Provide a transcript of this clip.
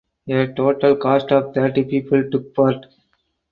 A total cast of thirty people took part.